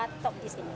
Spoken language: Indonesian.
untuk di sini